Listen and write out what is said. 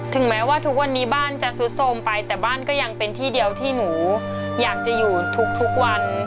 แม้ว่าทุกวันนี้บ้านจะซุดโทรมไปแต่บ้านก็ยังเป็นที่เดียวที่หนูอยากจะอยู่ทุกวัน